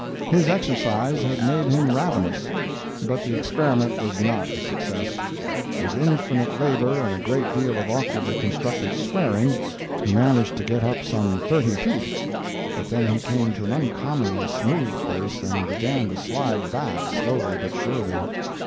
His exercise had made him ravenous. But the experiment was not a success. With infinite labor and a great deal of awkwardly constructed swearing, he managed to get up some thirty feet, but then he came to an uncommonly smooth place and began to slide back slowly but surely.